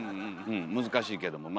難しいけどま